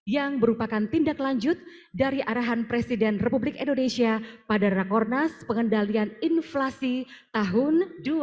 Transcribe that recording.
yang merupakan tindak lanjut dari arahan presiden republik indonesia pada rakornas pengendalian inflasi tahun dua ribu dua puluh